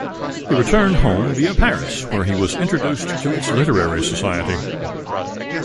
He returned home via Paris where he was introduced to its literary society.